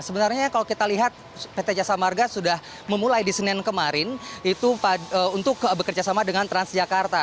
sebenarnya kalau kita lihat pt jasa marga sudah memulai di senin kemarin itu untuk bekerjasama dengan transjakarta